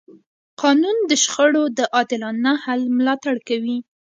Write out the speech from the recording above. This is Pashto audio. قانون د شخړو د عادلانه حل ملاتړ کوي.